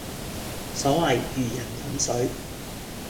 所謂如人飲水